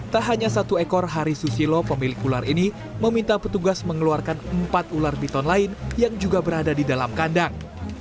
tak hanya satu ekor hari susilo pemilik ular ini meminta petugas mengeluarkan empat ular piton lain yang juga berada di dalam kandang